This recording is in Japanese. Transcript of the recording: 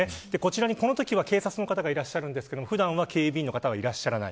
このときは警察の方がいらっしゃるんですが普段は警備員の方はいらっしゃらない。